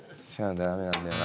ダメなんだよな。